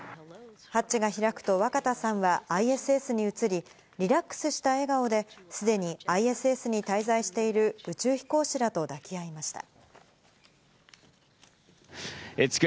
ハッチが開くと若田さんはＩＳＳに移り、リラックスした笑顔ですでにＩＳＳに滞在している宇宙飛行士らと抱き合いました。